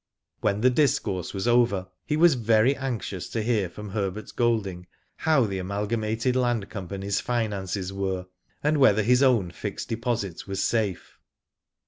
When the discourse was over, he was very anxious to hear from Herbert Golding how the Amalgamated Land Company's finances were, and whether his own fixed deposit was safe.